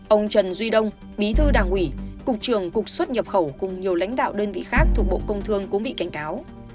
ông trần duy đông bí thư đảng ủy cục trưởng cục xuất nhập khẩu cùng nhiều lãnh đạo đơn vị khác thuộc bộ công thương cũng bị cảnh cáo